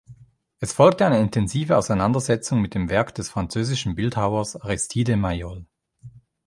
Es folgte eine intensive Auseinandersetzung mit dem Werk des französischen Bildhauers Aristide Maillol.